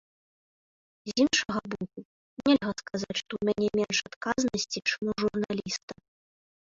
З іншага боку, нельга сказаць, што ў мяне менш адказнасці, чым у журналіста.